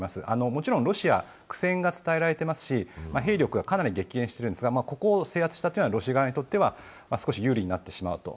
もちろんロシア、苦戦が伝えられていますし、兵力はかなり激減しているんですが、ここを制圧したということはロシア側にとっては少し有利になってしまうと。